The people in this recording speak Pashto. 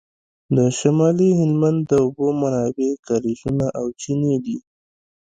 د شمالي هلمند د اوبو منابع کاریزونه او چینې دي